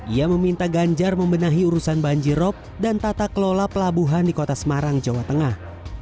ia meminta ganjar membenahi urusan banjirop dan tata kelola pelabuhan di kota semarang jawa tengah